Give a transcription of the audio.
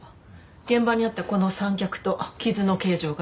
現場にあったこの三脚と傷の形状が一致した。